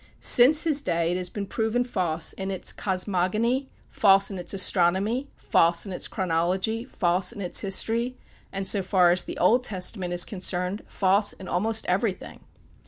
Since his day it has been proven false in its cosmogony, false in its astronomy, false in its chronology, false in its history, and so far as the Old Testament is concerned, false in almost everything.